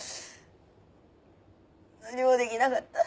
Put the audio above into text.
何もできなかった。